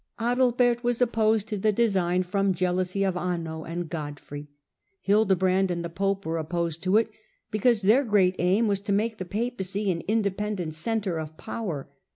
Adalbert was opposed to the de ■ ^n, from jealousy of Anno and Godfrey ; Hildebrand ud the pope were opposed to it because their great aim was to make the Papacy an independent centre of power.